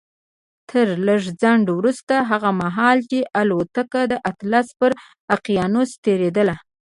تر لږ ځنډ وروسته هغه مهال چې الوتکه د اطلس پر اقيانوس تېرېدله.